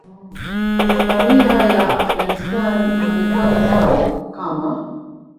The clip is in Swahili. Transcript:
isimamia ya Afghanistan Marekani nao kama